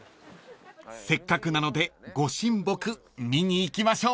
［せっかくなのでご神木見に行きましょう］